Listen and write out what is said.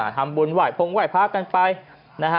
ทำบุญไหว้พงไหว้พระกันไปนะฮะ